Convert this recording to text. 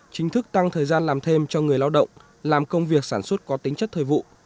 chính thức tăng thời gian làm thêm cho người lao động làm công việc sản xuất có tính chất thời vụ